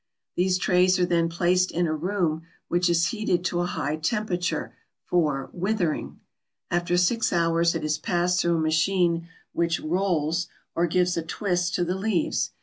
These trays are then placed in a room which is heated to a high temperature, for "withering." After six hours it is passed through a machine which "rolls" or gives a twist to the leaves.